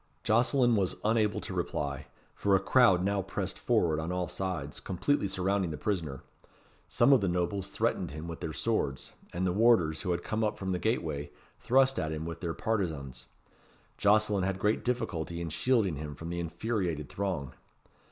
Jocelyn was unable to reply, for a crowd now pressed forward on all sides, completely surrounding the prisoner. Some of the nobles threatened him with their swords, and the warders, who had come up from the gateway, thrust at him with their partizans. Jocelyn had great difficulty in shielding him from the infuriated throng.